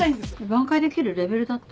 挽回できるレベルだった？